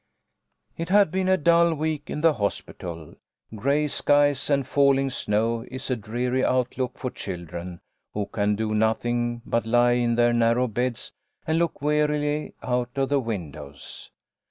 It had been a dull week in the hospital. Gray skies and falling snow is a dreary outlook for children who can do nothing but lie in their narrow beds and look wearily out of the windows.